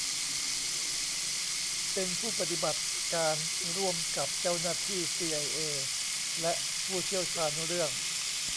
เป็นผู้ปฏิบัติการร่วมกับเจ้าหน้าที่ซีไอเอและผู้เชี่ยวชาญเรื่อง